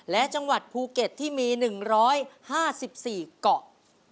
และจังหวัดภูเก็ตที่มี๑๕๔เกาะ